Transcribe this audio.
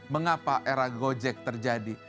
mengapa era gojek terjadi